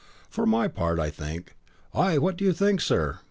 For my part, I think " "Ay, what do you think, sir?"